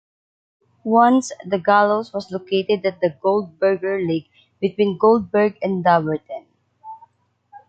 Once, the gallows was located at the Goldberger lake between Goldberg and Dobbertin.